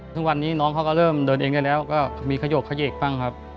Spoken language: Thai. ทุกวันนี้น้องเขาก็เริ่มเดินเองได้แล้วก็มีขยกเขยกบ้างครับ